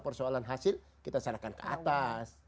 persoalan hasil kita serahkan ke atas